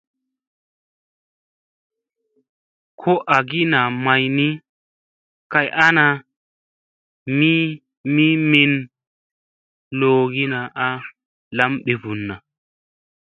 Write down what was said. Ko agi naa may ni ,kay ana mi min loʼogina a lam ɓivunna.